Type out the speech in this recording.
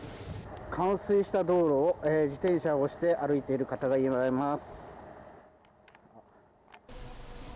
冠水した道路を自転車を押して歩いている方がいます。